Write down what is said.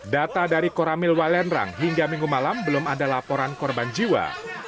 data dari koramil walendrang hingga minggu malam belum ada laporan korban jiwa